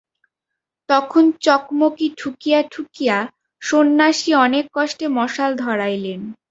তখন চকমকি ঠুকিয়া ঠুকিয়া সন্ন্যাসী অনেক কষ্টে মশাল ধরাইলেন।